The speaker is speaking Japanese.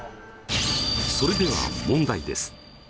それでは問題です。